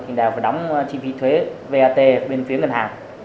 thì đều phải đóng chi phí thuế vat bên phía ngân hàng